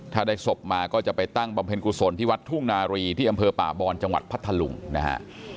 ถ้าได้ศพมาก็จะไปตั้งบำเพ็ญกุศลที่วัดทุ่งนารีที่อำเภอป่าบอนจังหวัดพัทธลุงนะฮะ